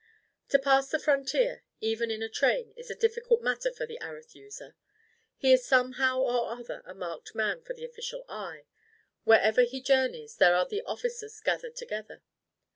To pass the frontier, even in a train, is a difficult matter for the Arethusa. He is somehow or other a marked man for the official eye. Wherever he journeys, there are the officers gathered together.